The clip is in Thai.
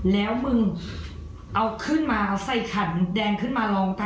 แล้วมึงเอาขึ้นมาใส่ขันแดงขึ้นมาลองกัน